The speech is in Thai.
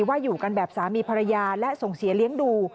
ว่าอยู่กันแบบสามีภรรยาและส่งเสียเลี้ยงดู